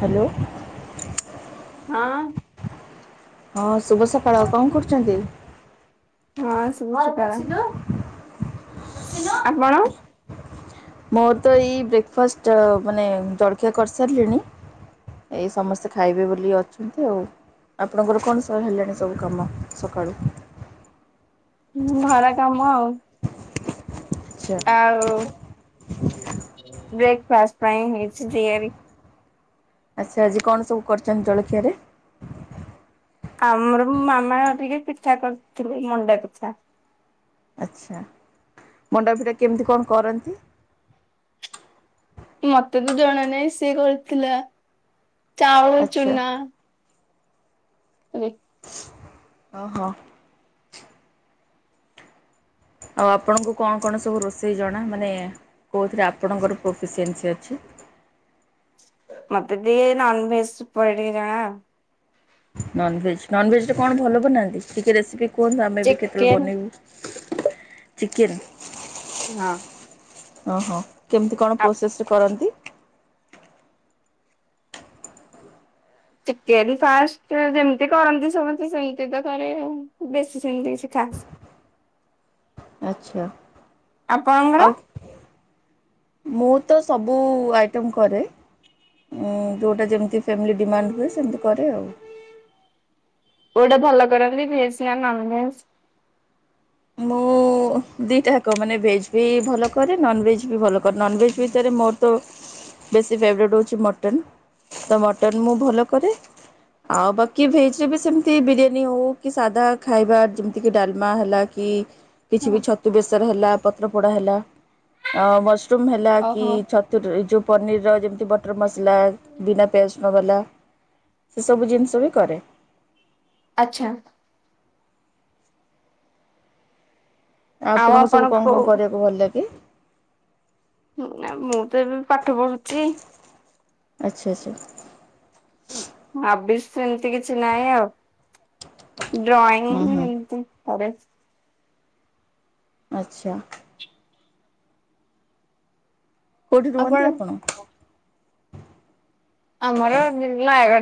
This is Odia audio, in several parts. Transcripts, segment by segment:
ହ୍ୟାଲୋ। ହଁ ହଁ ଶୁଭ ସକାଳ କଣ କରୁଛନ୍ତି? ହଁ ଶୁଭ ସକାଳ ଆପଣ? ମୋର ତ ଏଇ ବ୍ରେକ୍ଫାଷ୍ଟ ମାନେ ଜଳଖିଆ କରିସାରିଲିଣି ଏଇ ସମସ୍ତେ ଖାଇବେ ବୋଲି ଅଛନ୍ତି ଆଉ। ଆପଣଙ୍କର କଣ ସବୁ ହେଲାଣି ସବୁ କାମ ସକାଳୁ? ଭରା କାମ ଆଉ ଆଚ୍ଛା ଆଉ ବ୍ରେକ୍ଫାଷ୍ଟ ପାଇଁ ହେଇଛି ତିଆରି। ଆଚ୍ଛା ଆଜି କଣ ସବୁ କରିୁଛନ୍ତି ଜଳଖିଆରେ? ଆମର ମାମା ଟିକେ ପିଠା କରିଥିଲେ ମଣ୍ଡା ପିଠା। ଆଚ୍ଛା ମଣ୍ଡାପିଠା କେମିତି କଣ କରନ୍ତି? ମତେ ତ ଜଣା ନହିଁ ସିଏ କରିଥିଲା ଚାଉଳ ଆଚ୍ଛା ଚୁନା ଦେଖ ଓ ହୋ ଆଉ ଆପଣଙ୍କୁ କଣ କଣ ସବୁ ରୋଷେଇ ଜଣା ମାନେ କୋଉଥିରେ ଆପଣଙ୍କର ପ୍ରୋଫିସିଏନ୍ସି ଅଛି? ମତେ ଟିକେ ନନ୍ ଭେଜ ଉପରେ ଟିକେ ଜଣା। ନନଭେଜ୍ ନନଭେଜ୍ ରେ କଣ ଭଲ ବନାନ୍ତି? ଟିକେ ରେସିପି କୁହନ୍ତୁ ଆମେ ବି କେତେବେଳେ ଚିକେନ ବନେଇବୁ? ଚିକେନ୍ ନାଆଁ। ଓହୋ କେମିତି କଣ ପ୍ରୋସେସ ରେ କରନ୍ତି ଚିକେନ୍ ଫାଷ୍ଟ ଯେମତି କରନ୍ତି ସମସ୍ତେ ସେମିତି ତ କରିବେ ବେଶୀ ସେମତି କିଛି ଖା ଆକ୍ସ ଆଚ୍ଛା। ଆପଣଙ୍କର? ଆଉ ମୁଁ ତ ସବୁ ଆଇଟମ୍ କରେ। ଏଁ, ଯୋଉଟା ଯେମିତି ଫ୍ୟାମିଲି ଡିମାଣ୍ଡ ହୁଏ ସେମିତି କରେ ଆଉ। କୋଉଟା ଭଲ କରନ୍ତି ଭେଜ୍ ନା ନନଭେଜ୍? ମୁଁ ମୁଁ ଦିଟାକ ମାନେ ଭେଜ୍ ବି ଭଲ କରେ। ନନଭେଜ୍ ବି ଭଲ କରେ। ନନଭେଜ୍ ଭିତରେ ମୋର ତ ବେଶୀ ଫେବରେଟ୍ ହଉଛି ମଟନ୍। ତ ମଟନ୍ ମୁଁ ଭଲ କରେ। ଆଉ ବାକି ଭେଜ୍ ରେ ବି ସେମିତି ବିରିୟାନୀ ହଉ କି ସାଧା ଖାଇବା ଯେମିତି କି ଡାଲମା ହେଲା କି କିଛି ବି ହଁ। ଛତୁ ବେସରେ ହେଲା ପତ୍ର ପୋଡା ହେଲା। ଅ ମସ ସରୁମ୍ ହେଲା କି ଓହୋ ଛତୁର ଯୋଉ ପନିରର ଯେମି ସେ ବଟର ମସଲା ବିନା ପିଆଜ ରଶୁଣ ବାଲା। ସେ ସବୁ ଜିନିଷ ବି କରେ। ଆଚ୍ଛା। ଆପଣଙ୍କୁ ସବୁ କଣ କଣ କରିବାକୁ ଭଲ ଲାଗେ। ନା ମୁଁ ତ ଏବେ ପାଠ ପଢୁଚି। ଆଚ୍ଛା ଆଚ୍ଛା। ଆବିଷ ସେମିତି କିଛି ନାହିଁ ଆଉ। ଡ୍ରଇଂ ହୁଁ ହୁଁ ଏମିତି କରେ। ଆଚ୍ଛା। କୋଉଠି ରୁହନ୍ତି ଆପଣ?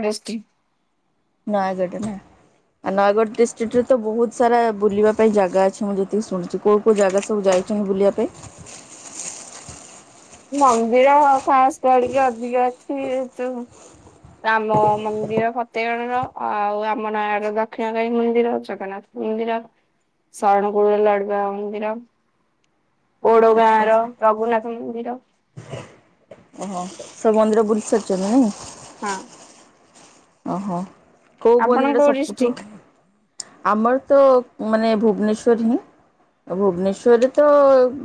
ବଷ୍ଟି ନୟାଗଡ଼ ନା। ଆଉ ନୟାଗଡ ଡିଷ୍ଟ୍ରିକ୍ଟ ରେ ତ ବହୁତ ସାରା ବୁଲିବା ପାଇଁ ଜାଗା ଅଛି। ମୁଁ ଯେତିକି ଶୁଣିଛି କୋଉ କୋଉ ଜାଗା ସବୁ ଯାଇ ଚନ୍ତି ବୁଲିବା ପାଇଁ। ହ ମନ୍ଦିର ଖାସ କରିିକି ଅଧିକ ଅଛି ତୁ। ଆମ ମନ୍ଦିର ଫତେଗଣ ର ଆଉ ଆମ ନୟାଗରର ଦକ୍ଷିଣକାଳି ମନ୍ଦିର ଜଗନ୍ନାଥ ମନ୍ଦିର ଶରଣକୁଡ଼ ଲଡ଼ୁବାବା ମନ୍ଦିର। ଓଡ ଆଚ୍ଛା ଗାଁ ର ଆଚ୍ଛା ରଘୁନାଥ ମନ୍ଦିର। ଓହୋ ସବୁ ମନ୍ଦିର ବୁଲି ସାରିଛନ୍ତି ନାଇଁ। ହଁ। ଓହୋ କୋଉ ଆପଣ ବନ୍ଦିର ଟା କୋଉ ସବୁଠୁ ଆମର ତ ମାନେ ଭୁବନେଶ୍ଵର ହିଁ। ଆଉ ଭୁବନେଶ୍ୱରରେ ତ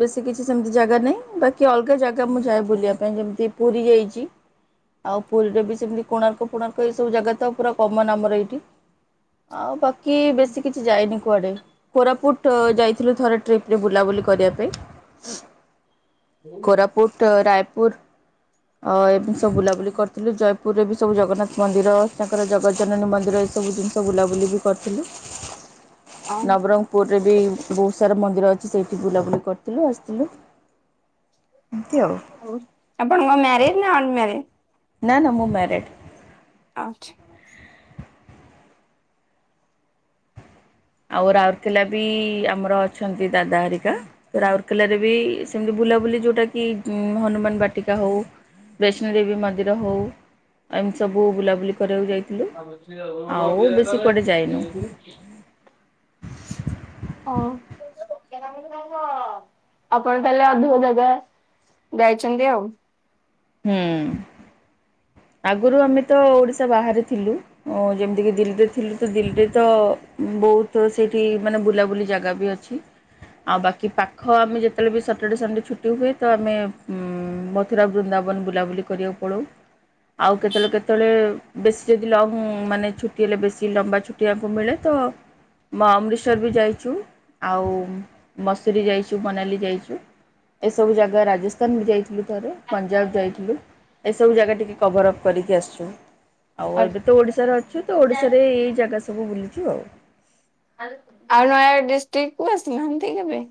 ବେଶୀ କିଛି ସେମତି ଜାଗା ନାହିଁ। ବାକି ଅଲଗା ଜାଗା ମୁଁ ଯାଏ ବୁଲିବା ପାଇଁ। ଯେମିତି ପୁରୀ ଯାଇଚି। ଆଉ ପୁରୀରେ ବି ସେମିତି କୋଣାର୍କ ଫୋଣାର୍ ଏଇ ସବୁ ଜାଗା ତ ପୁରା କମନ ଆମର ଏଇଠି। ଆଉ ବା କି ଡିଷ୍ଟ୍ରିକ୍ଟ? ବେଶୀ କିଛି ଯାଇନି କୁଆଡେ। କୋରାପୁଟ ଯାଇଥିଲୁ ଥରେ ଟ୍ରିପରେ ବୁଲାବୁଲି କରିବା ପାଇଁ। କୋରାପୁଟ ରାୟପୁ ପୁର ଅ ସବୁ ବୁଲାବୁଲି କରିଥିଲୁ। ଜୟପୁରରେ ବି ସବୁ ଜଗନ୍ନାଥ ମନ୍ଦିର ତାଙ୍କର ଜଗତଜନନୀ ମନ୍ଦିର ଏସବୁ ଜିନିଷ ବୁଲାବୁଲି ବି କରିଥିଲୁ। ନବରଙ୍ଗପୁର। ରେ ବି ବହୁତ ସାରା ମନ୍ଦିର ଅଛି ସେଇଠି ବୁଲାବୁଲି କରିଥିଲୁ ଆସିଥିଲୁ। ଆଉ ଆପଣଙ୍କ ମ୍ୟାରେଡ ନା ଅନ ମ୍ୟାରେଡ। ନାଁ ନାଁ ମୁଁ ମ୍ୟାରେଡ଼୍। ଆଚ୍ଛା। ଆଉ ରାଉରକେଲା ବି ଆମର ଅଛନ୍ତି। ଦାଦା ହରିକା ରାଉରକେଲାରେ ବି ସେମିତି ବୁ ବୁଲାବୁଲି ଯୋଉଟା କି ହନୁମାନ ବାଟିକା ହଉ ବୈଷ୍ଣ ଦେବୀ ମନ୍ଦିର ହଉ। ଏମିତି ସବୁ ବୁଲାବୁଲି କରିବାକୁ ଯାଇ ଆଉ ଅଛି ଭଲ [unintelligible] ଯାଇନୁ ହଁ। ଆପଣ ତାହେଲେ ଅଧିକ ଜାଗା ଯାଇଛନ୍ତି ଆଉ। ହୁଁ। ଆଗରୁ ଆମେ ତ ଓଡ଼ିଶା ବାହାରେ ଥିଲୁ। ଯେମିତିକି ଦିଲ୍ଲୀରେ ଥିଲୁ ତ ଦିଲ୍ଲୀରେ ତ ବହୁତ ସେଇଠି ମାନେ ବୁଲାବୁଲି ଜାଗା ବି ଅଛି। ଆଉ ବାକି ପାଖ ଆମେ ଯେତେବେଳେ ବି ସଟରଡେ ସନଡେ ଛୁଟି ହୁଏ। ତ ଆମେ ଉଁ ମଥୁରା ବୃନ୍ଦାବନ ବୁଲାବୁଲି କରିବାକୁ ପଳଉ। ଆଉ କେତେବେଳେ କେତେବେଳେ ବେଶୀ ଯଦି ଲଙ୍ଗ ମାନେ ଛୁଟି ହେଲେ ବେଶୀ ଲମ୍ବା ଛୁଟିଆକୁ ମିଳେ ତ ମଁ ଅମୃତସର ବି ଯାଇଛୁ ଆଉ ମସୁରୀ ଯାଇଛୁ ମନାଲି ଯାଇଛୁ ଏସବୁ ଜାଗା ରାଜସ୍ଥାନ ବି ଯାଇଥିଲୁ ଥରେ ପଞ୍ଜାବ ଯାଇଥିଲୁ ଏସବୁ ଜାଗା ଟିକେ କଭର ଅପ୍ କରିକି ଆସିଛୁ ଆଉ ଏବେ ତ ଓଡ଼ିଶାରେ ଅଛୁ ତ ଓଡ଼ିଶାରେ ଏଇ ଜାଗା ସବୁ ବୁଲି ଛୁ ଆଉ। ଆଉ ନୟାଗଡ଼ ଡିଷ୍ଟ୍ରିକ୍ଟ କୁ ଆସିନାହାନ୍ତି କେବେ?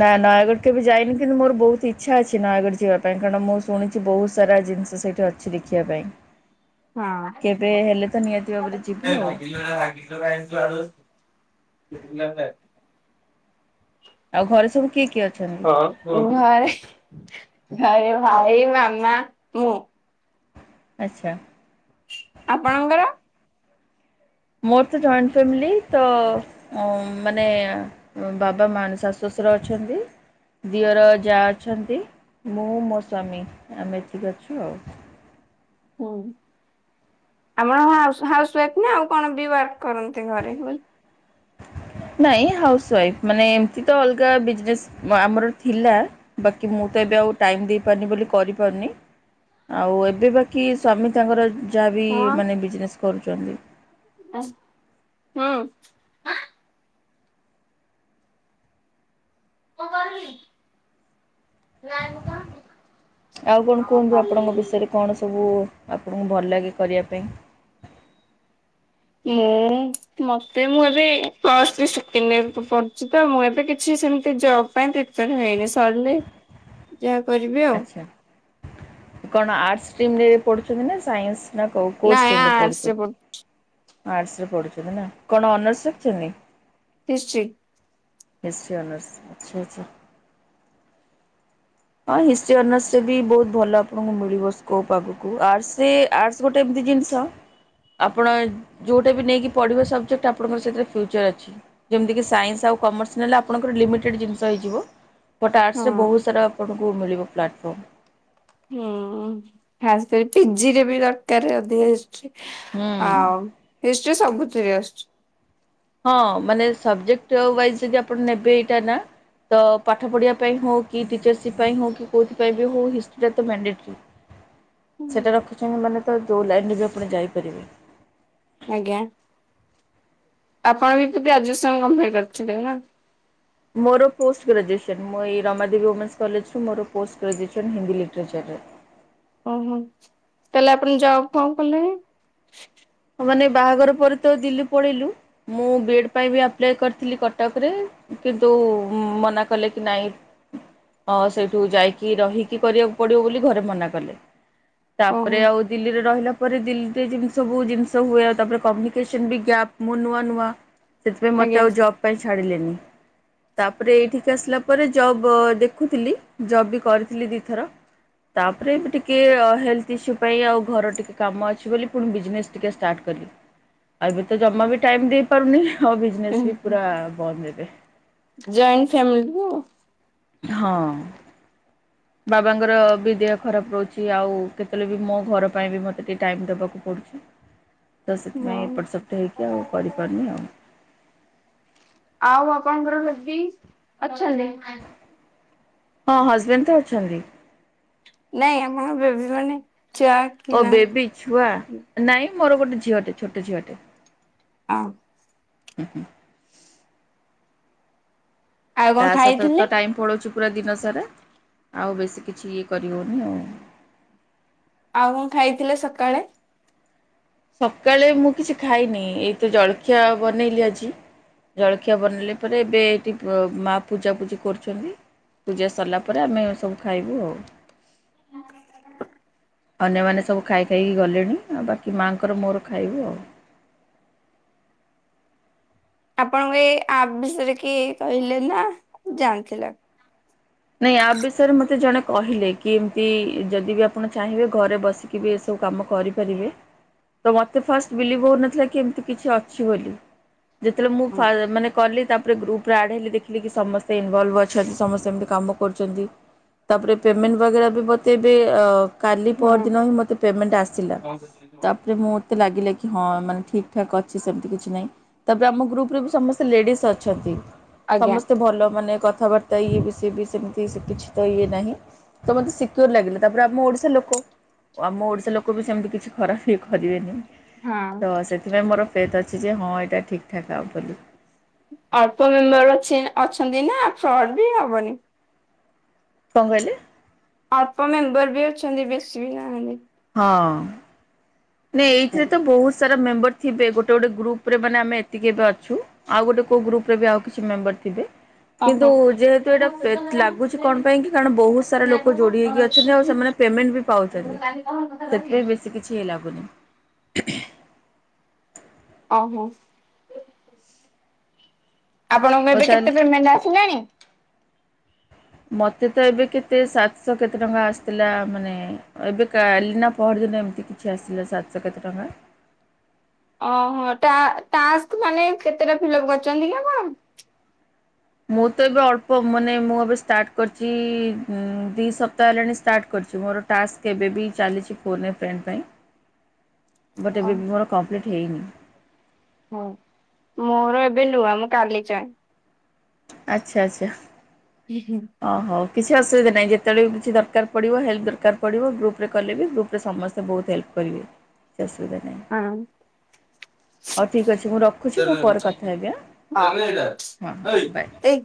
ନା ନୟାଗଡ଼ କେବେ ଯାଇନି କିନ୍ତୁ ମୋର ବହୁତ ଇଚ୍ଛା ଅଛି ନୟାଗଡ଼ ଯିବା ପାଇଁ କାରଣ ମୁଁ ଶୁଣିଛି ବହୁତ ସାରା ଜିନିଷ ତ ସେଇଠି ଅଛି ଦେଖିବା ପାଇଁ। କେବେ ହେଲେ ତ ନିହାତି ଭାବରେ ଯିବୁ ଆଉ [inaudible] [inaudible] ଆଉ ଘରେ ସବୁ କିଏ କିଏ? ଅଛନ୍ତି? ଘରେ ଘରେ ଭାଇ ମାମା ମୁଁ। ଆଚ୍ଛା। ଆପଣଙ୍କର? ମୋର ତ ଜଏଣ୍ଟ ଫାମିଲି ତ ମାନେ ବାବା ମ ଶାଶୁ ଶଶୁର ଅଛନ୍ତି ଦିଅର ଯା ଅଛନ୍ତି ମୁଁ ମୋ ସଵାମୀ ଆମେ ଏତିିକି ଅଛୁ ଆଉ। ହଁ। ଆମର ହାଉସୱାଇଫ ନା ଆଉ କଣ ବିବହାର କରନ୍ତି ଘରେ ବ? ନାଇଁ ହାଉସ ୱାଇଫ ମାନେ ଏମତି ତ ଅଲଗା ବିଜନେସ୍ ଆମର ଥିଲା ବାକି ମୁଁ ତ ଟାଇମ ଦେଇ ପାରୁନି ବୋଲି କରିପାରୁି ଆଉ ଏବେ ବାକିୀ ସ୍ୱାମୀ ତାଙ୍କର ଯାହା ବିି ହଁ ମାନେ ବିଜନେସ୍ କରୁଛନ୍ତି [inaudible] [inaudible] ଆଉ କଣ କୁହନ୍ତୁ ଆପଣଙ୍କ ବିଷୟରେ କଣ ସବୁ ଆପଣଙ୍କୁ ଭଲ ଲାଗେ କରିବା ପାଇଁ? ମୁଁ ମତେ ମୁଁ ଏବେ ତ ପ୍ଲସ ଥ୍ରୀ ସେକେଣ୍ଡ ୟେର୍ ପଢୁଛି ତ ମୁଁ ଏବେ କିଛି ସେମିତି ଜବ ପାଇଁ ିଟ ହେଇନି ସରିଲେ ଯାହା କରିବି ଆଉ ଆଛା କଣ ଆ ପଢୁଛନ୍ତି ନା ସସ? ନା କ ନାଇଁ କଚଣ୍ଡ ଆର୍ଟସରେ ପଡ଼ିଚ? ପଢୁ ଆର୍ଟ ରେ ପଢୁଛନ୍ତି ନା କଣ ଅନର୍ସ ରଖିଛନ୍ତି? ହିଷ୍ଟଷ୍ଟ୍ରୀ। ନିନର୍ସ ଆଛାଛା। ହଁ ହିି ଅନର୍ସ ରେ ବି ବହୁତ ଭଲ ଆପଣଙ୍କୁ ମିଳିବ ସ୍କୋପ ଆଗ ଗୋଟେ କି ଜିନିଷ ଆପଣ ଯୋଉଟା ବି ନେଇକି ପଢିବା ସବଜେକ୍ଟ ଆପଣଙ୍କର ସେଥିରେ ଫଚର ଅ ଯେମିତି ସନ୍ସ ଆ ଙ୍କର ଲମିେି ହଁ ବା ମିଳିବ ପ୍ଲାଟଫର୍ମ। ହୁଁ ଖାସ୍ କରି ପିଜିରେ ବି ଦରକାର ଅଧିକ ହୁଁ। ଆଉ ହିଷ୍ଟ୍ରି ସବୁଥିରେ ଆସୁଛି। ହଁ ମାନେ ସବଜେକ୍ଟ ୱ ଯଦି ଆପଣ ନେବେ ଏଇଟା ନା ତ ପାଠ ପଢ଼ିବା ପାଇଁ ହଉ କି ଟିଚର୍ସିପ୍ ପାଇଁ ହଉ କି କୋଉଥିାଇଁ ବି ହଉ ହିଷ୍ଟିଟା ତ ମଣ୍ଡେଟର। ସେଇଟା ରଖିଛନ୍ତି ମାନେ ତ ଯେୋଉ ଲାଇନ୍ରରେ ବି ଆପଣ ଯାଇପାରିବେ। ଆଜ୍ଞା। ଆପଣ ବି କେତି ଆୟ କମ୍ପ୍ କରିଛନ୍ତି ନା? ମୋର ପୋଷ୍ଟ ଗ୍ରାଜୁଏସନ୍ ମୁଁ ଏଇ ରମାଦେବୀମେନ୍ସ କଲେଜୁ ମୋର ପୋଷ୍ଟ ଗ୍ରାଜୁଏସନ୍ ହିନ୍ଦୀ ଲିଟରେଚର। [unintelligible] ଓହୋ ତାହଲେ ଆପଣ ଯାଉ କ କଲେ? ମାନେ ବାହାଘର ପରେ ତ ଦିଲ୍ଲୀ ପଳେଇଲୁ ମୁଁ ବି ଏଡ଼୍ ପାଇଁ ବି ଆପ୍ଲାଏ କରିଥିଲି କଟକରେ କିନ୍ତୁ ମନା କଲେ କି ନାଇଁ ଅ ସେଇଠୁ ଯାଇକି ରହିକି କରିବାକୁ ପଡିବ ବୋଲି ଘରେ ମନା କଲେ। ଓହୋ ତାପରେ ଆଉ ଦିଲ୍ଲୀରେ ରହିଲା ପରେ ଦିଲ୍ଲୀରେ ଜିନିଷ ବହୁ ଜିନିଷ ସବୁ ହୁଏ ଆଉ ତାପରେ କମିକେସନ ଵି ଗ୍ୟାପ ମୁଁ ନୂଆ ନୂଆ ସେଥିପାଇଁ ମୋତେ ଆଜ୍ଞା ଆଉ ଜପ ପାଇଁ ଛାଡ଼ିଲେନି। ତାପରେ ଏଇ ଠିକ ଆସିଲା ପରେ ଜବ୍ ଦେଖୁଥିଲି ଜବ୍ ବି କରିଥିଲି ଦିଥର। ତାପରେ ବି ଟିକେ ହେଲ୍ ଥ ଇଶୁ ପାଇଁ ଆଉ ଘରର ଟିକେ କାମ ଅଛି ବୋଲି ପୁଣି ବିଜନେସ ଟିକେ ଷ୍ଟାର୍ଟ କଲି ଆଉ ଏବେ ତ ଜମା ବି ଟାଇମ ଦେଇ ପାରୁନି। ହଉ ବିଜନେସ୍ ବି ପୁରା ବନ୍ଦ ହେବେ। ଜଏଣ୍ଟ ଫ୍ୟାମିଲିକୁୁ ହଁ। ହ ବାବାଙ୍କର ବି ଦେହ ଖରାପ ରହୁଛି ଆଉ କେତେବେଳେ ବି ମୋ ଘର ପାଇଁ ବି ମୋତେ ଟିକେ ଟାଇମ୍ ଦେବାକୁ ପଡ଼ୁଛି। ହଁ ତ ସେଥିପାଇଁ ଏପଟ ସେପ୍ଟ ହେଇକି ଆଉ କରିପାରୁନି ଆଉ। ଆଉ ବାପାଙ୍କର ସେବି ଅଛନ୍ତି। ହଁ ହଜବେଣ୍ଡ ତ ଅଛନ୍ତି। ନାଇଁ ଆମର ବେବି ମାନେ ଛୁଆ କି ଓ ବେବି ନାହାନ୍ତି ଛୁଆ ନାଇଁ ମୋର ଗୋଟେ ଝିଅଟେ ଛୋଟ ଝିଅଟେ। ହଁ। ହୁ ହୁଁ। ଆଉ କଣ ତା ସତ ଖାଇଥିଲେ? ତ ଟାଇମ୍ ପଳଉଛି। ପୁରା ଦିନ ସାରା ଆଉ ବେଶୀ କିଛି ଇଏ କରିହେଉନି ଆଉ ଆଉ କଣ ଖାଇଥିଲେ ସକାଳେ? ସକାଳେ ମୁଁ କିଛି ଖାଇନି ଏଇତ ଜଳଖିଆ ବନେଇଲି ଆଜି। ଜଳଖିଆ ବନେଇଲେ ପରେ ଏବେ ଏଇଠି ମା ପୂଜାପୂଜି କରୁଛନ୍ତି। ପୂଜା ସରିଲା ପରେ ଆମେ ସବୁ ଖାଇବୁ ଆଉ ହଁ ଅନ୍ୟମାନେ ସବୁ ଖାଇ ଖାଇକି ଗଲେଣି ଆଉ ବାକି ମାଆଙ୍କର ମୋର ଖାଇବୁ ଆଉ। ଆପଣଙ୍କୁ ଏଇ ଆପ ବିଷୟରେ କି କହିଲେ ନା ଜାଣିଥିଲା ନାଇଁ ୟ ବିଷୟରେ ମତେ ଜଣେ କହିଲେ କି ଏମିତି ଯଦି ବି ଆପଣ ଚାହିଁବେ ଘରେ ବସିକି ବି ଏସବୁ ମୁଁ କାମ କରି ପାରିବି ମତେ ଫାଷ୍ଟ ବିଲିଭ ହନଥିଲା କିମତି କି ଅଛି ବୋଲି। ଯେତେବେଳେ ମୁଁ ହଁ ମାନେ କଲି ତାପରେ ଗ୍ରୁପ ରେ ଆଡେଇଲି ଦେଖିଲି କି ସମସ୍ତେ ଇନଭଲଭ ଅଛନ୍ତି ସମସ୍ତେମ ଏମିତି କାମ କରୁଛନ୍ତି ତାପରେ ପେମେଣ୍ଟ ବଗେରା ବି ମୋତେ ଏବେ କାଲି ପର ଦିନ ହିଁ ମୋତେ ପେମେଣ୍ଟ ଆସିଲା ତାପରେ ମୁଁ ମୋତେ ଲାଗିଲା କି କି ହଁ ମାନେ ଠିକ ଠାକ୍ ଅଛି ସେମିତି କିଛି ନାହିଁ ତାପରେ ଆମ ଗ୍ରୁପ ରେ ବି ସମସ୍ତେ ଲେଡିସ୍ ଅଛନ୍ତି। ଆଜ୍ଞା। ସମସ୍ତେ ଭଲ ମାନେ କଥାବାର୍ତ୍ତା ଇଏ ବି ସିଏ ବି ସେମିତି କିଛି ତ ଇଏ ନାହିଁ ତ ମତେ ସିକ୍ୟୋର ଲାଗିଲା ତାପରେ ଆମ ଓଡିଶା ଲୋକ। ଆ ଆମ ଓଡିଶା ଲୋକ ବି ସେମିତି କିଛି ଖରାପ କି କରିବେନି ହଁ ତ ସେଥିପାଇଁ ମୋର ଫେଥ ଅଛି ଯେ ହଁ ଏଇଟା ଠିକ୍ ଠାକ୍ ଆଉ ଅବୋଲି। ଅଳ୍ପ ମେମ୍ବର ଅ ଅଛନ୍ତି ନା ଫ୍ରଡ ବି ହବନି। କଣ କହିଲ? ଅଳ୍ପ ମେମ୍ବର ବି ଅଛନ୍ତି ବେଶୀ ବି ନାହାନ୍ତି। ହଁ ନ ଏଇଥିରେ ତ ବହୁତ ସାରା ମେମ୍ବର ଥିବେ ଗୋଟେ ଗୋଟେ ଗ୍ରୁପ ରେ ମାନେ ଆମେ ଏତିକି ଏବେ ଅଛୁ ଆଉ ଗୋଟେ କୋଉ ଗ୍ରୁପରେ ବି ଆଉ କିଛି ମେମ୍ବର ଥିବେ। କିନ୍ତୁ ଓହୋ ଯେହେତୁ ଏଇଟା ଲାଗୁଛି କଣ ପାଇଁ କି କାରଣ ବହୁତ ସାରା ଲୋକ ଯୋଡି ହେଇକି ଅଛନ୍ତି ଆଉ ସେମାନେ ତା ପେମେଣ୍ଟ ଵି ପାଉଛନ୍ତି ସେଥିପାଇ ବ କିଛି ଲାଗୁନି। ଓହୋ। ଆପଣଙ୍କୁ ହଉ ଏବେ କେତେ ତାହେଲେ ପେମେଣ୍ଟ ଆସିଲାଣି? ମତେ ତ ଏବେ କେତେ ସାତଶହ କେତେ ଟଙ୍କା ଆସିଥିଲା ମାନେ ଏବେ କାଲି ନା ପରଦିନ। ପର୍ ଦିନ ଏମିତି କିଛି ଆସିଲା ସାତଶ କେତେ ଟଙ୍କା। ହ ଓହୋ ଟା ଟାକ୍ସ ମାନେ କେତେଟା ଫିଲପ୍ କରିଛନ୍ତି କି ଆପଣ? ମୁଁ ତ ଏବେ ଅଳ୍ପ ମାନେ ମୁଁ ଏବେ ଷ୍ଟାର୍ଟ କରିଚି ଦି ସପ୍ତା ହେଲାଣିଷ୍ଟାର୍ଟ କରିଚି। ମୋର ଟାକ୍ସ କେବେବି ଚାଲିଚି ଫୋନ୍ ଏ ଫ୍ରେଣ୍ଡ ପାଇଁ। ବଟ୍ ଏବେ ବି ମୋର କମ୍ପ୍ଲିଟ୍ ହେଇନି। ହୁଁ ମୋର ଏବେ ନୁଆ ମୁଁ କାଲି ଚାଏଁ ଆଚ୍ଛା ଆଚ୍ଛା। ଉଁ ହୁଁ। ହଁ ହଉ କିଛି ଅସୁବିଧା ନାହିଁ ଯେତେବେଳେ ବି କିଛି ଦରକାର ପଡ଼ିବ ହେଲ୍ପ ଦରକାର ପଡ଼ିବ ଗ୍ରୁପ୍ ରେ କଲେ ବି ଗ୍ରୁପ୍ ସମସ୍ତେଵହୁତ ହେଲ୍ପ କରିବେ କିଛି ଅସୁବିଧା ନାଇଂ। ହଉ ଠିକ୍ ଅଛି ମୁଁ ରଖୁଛି ମୁଁ ପରେ କଥା ହେବି ଆଁ। ଆଁ ରେଏଟା ହଁ ହଁ ବାଏ ଏଇଦେଇ